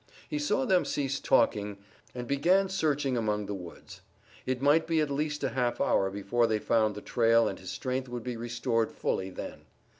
He saw them cease talking and begin searching among the woods. It might be at least a half hour before they found the trail and his strength would be restored fully then.